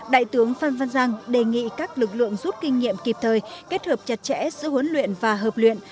đại tướng phan văn giang đề nghị các lực lượng rút kinh nghiệm kịp thời kết hợp chặt chẽ giữa huấn luyện và hợp luyện